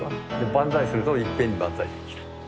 万歳するといっぺんに万歳できる。